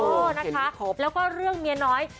เออนะคะแล้วก็เรื่องเมียน้อย